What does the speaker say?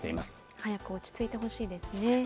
早く落ち着いてほしいですね。